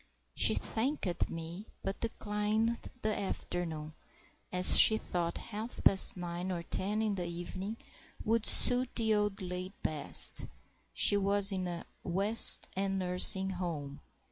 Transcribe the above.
She thanked me, but declined the afternoon, as she thought half past nine or ten in the evening would suit the old lady best; she was in a West End nursing home.